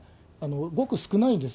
ごく少ないんです。